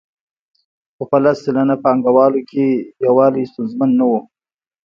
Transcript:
خو په لس سلنه پانګوالو کې یووالی ستونزمن نه وو